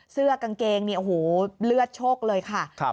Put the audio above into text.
เสื้อกางเกงเนี่ยโอ้โหเลือดโชคเลยค่ะ